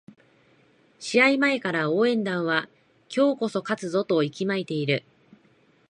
試合前から応援団は今日こそは勝つぞと息巻いている